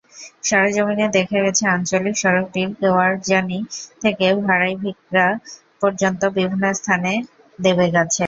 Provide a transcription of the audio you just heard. সরেজমিনে দেখা গেছে, আঞ্চলিক সড়কটির কেওয়ারজানি থেকে ভাড়াই-ভিকরা পর্যন্ত বিভিন্ন স্থান দেবে গেছে।